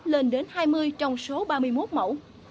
lên đến hai mươi trong số ba mươi một mẫu